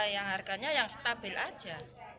yang harganya yang stabil aja